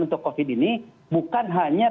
untuk covid ini bukan hanya